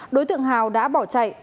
đối tượng hào đã bỏ chạy